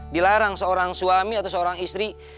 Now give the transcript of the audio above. dilarang seorang suami atau seorang istri